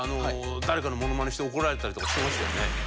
誰かのモノマネして怒られたりとかしてましたよね？